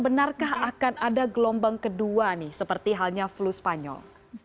benarkah akan ada gelombang kedua nih seperti halnya flu spanyol